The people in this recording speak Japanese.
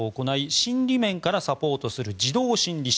心理面からサポートする児童心理司。